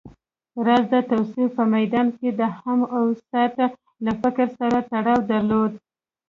راز د تصوف په ميدان کې د همه اوست له فکر سره تړاو درلود